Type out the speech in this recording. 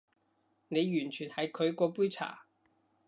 你完全係佢嗰杯茶